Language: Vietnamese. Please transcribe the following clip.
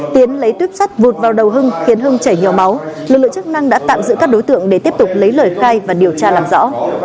tiến lấy tuyếp sắt vụt vào đầu hưng khiến hưng chảy nhiều máu lực lượng chức năng đã tạm giữ các đối tượng để tiếp tục lấy lời khai và điều tra làm rõ